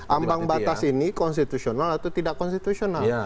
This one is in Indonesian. ambang batas ini konstitusional atau tidak konstitusional